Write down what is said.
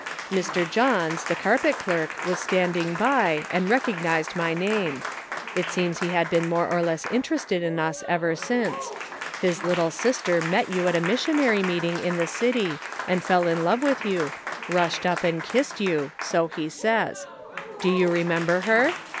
Mr. Johns, the Measuring Human Influence. 385 carpet clerk, was standing by, and recognized my name ; it seems he had been more or less interested in us ever since; his little sister met you at a missionary meeting in the city and fell in love with you, rushed up and kissed you — so he says. Do you remember her